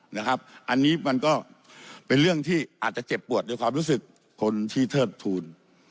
นะครับอันนี้มันก็เป็นเรื่องที่อาจจะเจ็บปวดด้วยความรู้สึกคนที่เทิดทูล